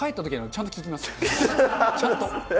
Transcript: ちゃんと。